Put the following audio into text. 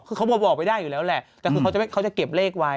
คือเขามาบอกไม่ได้อยู่แล้วแหละแต่คือเขาจะเก็บเลขไว้